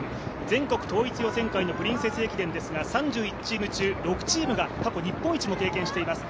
全国統一予選会プリンセス駅伝ですが３１チーム中６チームが過去日本一も経験しています。